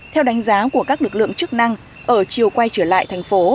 theo đánh giá của các lực lượng chức năng ở chiều quay trở lại thành phố